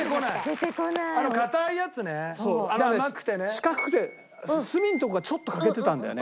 四角くて隅のところがちょっと欠けてたんだよね。